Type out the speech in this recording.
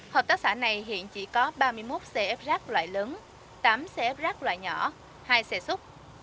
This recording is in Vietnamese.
hợp tác xã này hiện chỉ có ba mươi một xe ép rác loại lớn tám xe rác loại nhỏ hai xe xúc